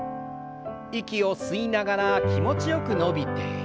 息を吸いながら気持ちよく伸びて。